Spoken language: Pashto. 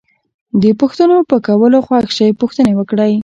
د پوښتنو په کولو خوښ شئ پوښتنې وکړئ.